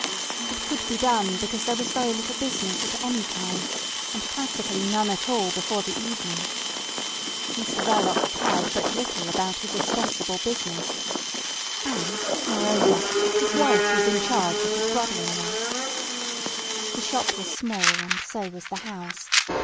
It could be done, because there was very little business at any time, and practically none at all before the evening. Mr Verloc cared but little about his ostensible business. And, moreover, his wife was in charge of his brother in law. The shop was small, and so was the house.